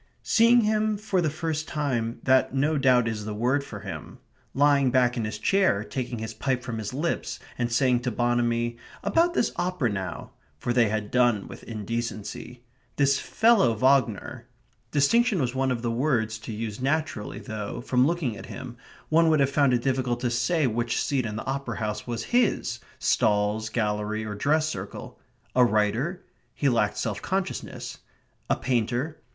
Seeing him for the first time that no doubt is the word for him. Lying back in his chair, taking his pipe from his lips, and saying to Bonamy: "About this opera now" (for they had done with indecency). "This fellow Wagner" ... distinction was one of the words to use naturally, though, from looking at him, one would have found it difficult to say which seat in the opera house was his, stalls, gallery, or dress circle. A writer? He lacked self consciousness. A painter?